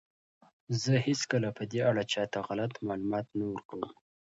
زه هیڅکله په دې اړه چاته غلط معلومات نه ورکوم.